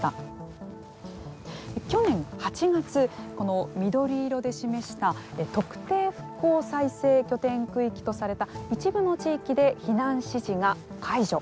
去年８月、この緑色で示した特定復興再生拠点区域とされた一部の地域で避難指示が解除。